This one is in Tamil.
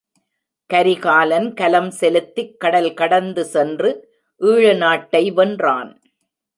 கரிகாலன், கலம் செலுத்திக் கடல் கடந்து சென்று, ஈழநாட்டை வென்றான்.